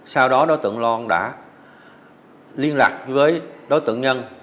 sau đó đối tượng loan đã liên lạc với đối tượng nhân